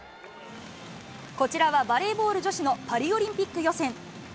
こちらはバレーボール女子のパリオリンピック予選。